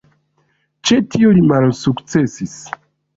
Ĉe tio li malsukcesis.